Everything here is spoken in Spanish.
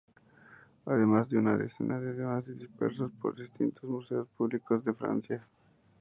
Además de una decena más dispersos por distintos museos públicos de Francia.